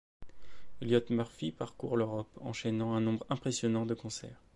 Elliott Murphy parcourt l’Europe, enchainant un nombre impressionnant de concerts.